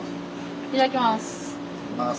いただきます。